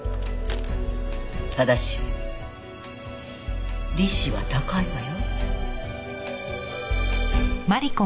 ただし利子は高いわよ。